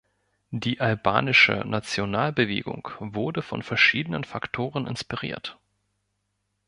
Die albanische Nationalbewegung wurde von verschiedenen Faktoren inspiriert.